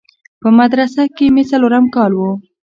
په مدرسه کښې مې څلورم کال و.